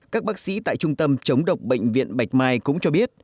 các bác sĩ tại trung tâm chống độc bệnh viện bạch mai cũng cho biết